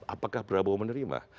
apakah prabowo menerima